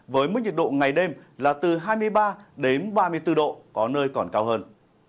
với mức nhiệt độ ngày đêm là từ hai mươi ba đến ba mươi bốn độ có nơi còn cao hơn